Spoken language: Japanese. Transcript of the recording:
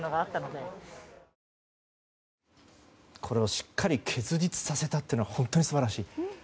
これをしっかり結実させたというのは本当に素晴らしい。